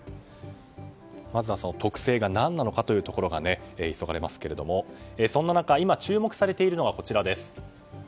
まずは特性が何なのかというところが急がれますがそんな中、今注目されているのがこちらです。